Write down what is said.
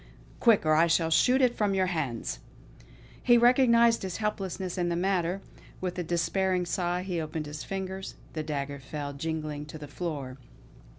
Quick; or I shall shoot it from your hands!" He recognised his helplessness in the matter. With a despairing sigh he opened his fingers; the dagger fell jingling to the floor.